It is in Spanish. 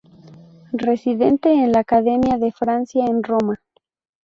Residente en la Academia de Francia en Roma.